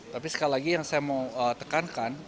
tapi sekali lagi yang saya mau tekankan